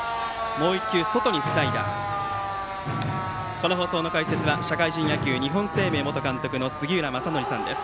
この放送の解説は社会人野球、日本生命元監督の杉浦正則さんです。